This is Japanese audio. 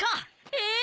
え⁉